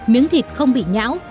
miếng thịt không bị nhão